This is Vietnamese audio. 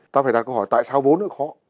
ta phải đặt câu hỏi tại sao vốn nó khó